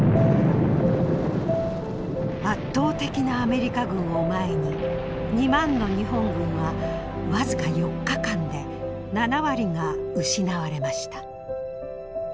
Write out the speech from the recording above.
圧倒的なアメリカ軍を前に２万の日本軍は僅か４日間で７割が失われました。